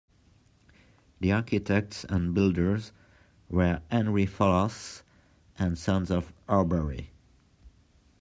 The architects and builders were Henry Fallas and Sons of Horbury.